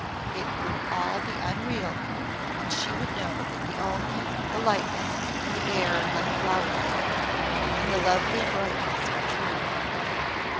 It would all be unreal and she would know that only the lightness and the air like flowers and the lovely brightness were true.